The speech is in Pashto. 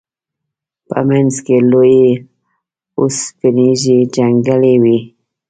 په منځ کې لوی اوسپنیزې جنګلې وې.